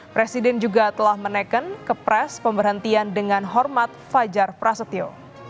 presiden juga telah menekan ke pres pemberhentian dengan hormat fajar prasetyo